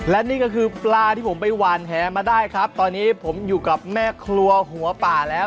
และนี่ก็คือปลาที่ผมไปหวานแหมาได้ครับตอนนี้ผมอยู่กับแม่ครัวหัวป่าแล้ว